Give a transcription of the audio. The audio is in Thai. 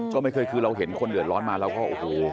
ก็ไม่เคยคือเราเห็นคนเดือดร้อนมาเราก็โอ้โห